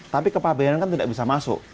tapi kepabean kan tidak bisa masuk